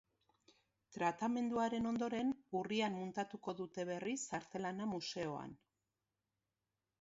Tratamenduaren ondoren, urrian muntatuko dute berriz artelana museoan.